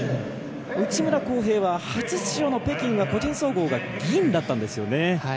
内村航平は初出場の北京は個人総合が銀だったんですよね。